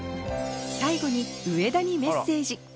最後に上田にメッセージ。